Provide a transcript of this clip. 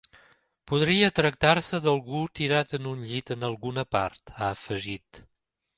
Podria tractar-se d’algú tirat en un llit en alguna part, ha afegit.